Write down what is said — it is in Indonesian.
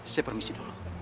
saya permisi dulu